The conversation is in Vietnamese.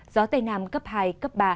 gió tây nam cấp hai cấp ba